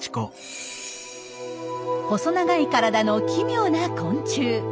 細長い体の奇妙な昆虫。